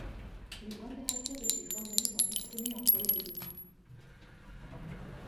Les températures de ces formules sont exprimées en Kelvin.